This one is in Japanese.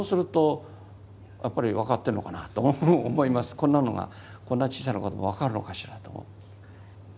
こんなのがこんな小さな子ども分かるのかしらと。